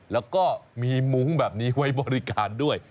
แล้วก็มีมุ้งแบบนี้ไว้บริการด้วย